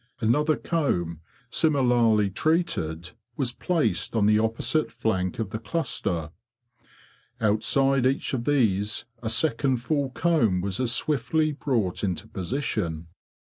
Another comb, similarly treated, was placed on the opposite flank of the cluster. Outside each of these a second full comb was as swiftly brought into position.